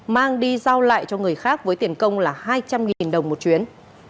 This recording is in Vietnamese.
mang đi giao lại cho người khác với tiền công là hai trăm linh đồng một chuyến